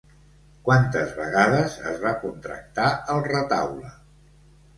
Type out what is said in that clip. Quantes vegades es va contractar el retaule?